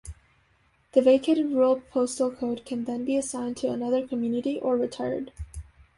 The vacated rural postal code can then be assigned to another community or retired.